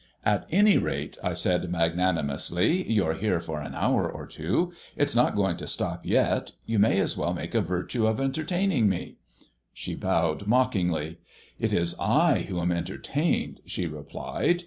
"At any rate," I said magnanimously, "you're here for an hour or two. It's not going to stop yet. You may as well make a virtue of entertaining me." She bowed mockingly. "It is I who am entertained," she replied.